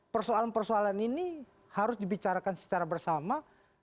persoalan persoalan ini harus dibicarakan secara bersama